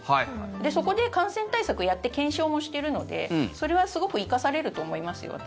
そこで感染対策やって検証もしているのでそれはすごく生かされると思いますよ、私。